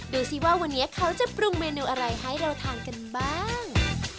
ดูสิว่าวันนี้เขาจะปรุงเมนูอะไรให้เราทานกันบ้าง